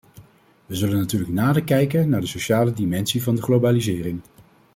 We zullen natuurlijk nader kijken naar de sociale dimensie van de globalisering.